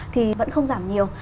thì vẫn không giảm nhiều